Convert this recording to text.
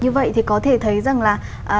như vậy thì có thể thấy rằng là